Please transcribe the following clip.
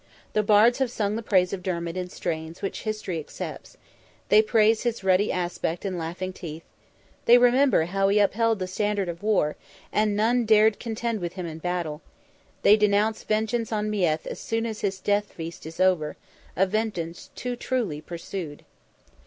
The bards have sung the praise of Dermid in strains which history accepts: they praise his ruddy aspect and laughing teeth; they remember how he upheld the standard of war, and none dared contend with him in battle; they denounce vengeance on Meath as soon as his death feast is over—a vengeance too truly pursued.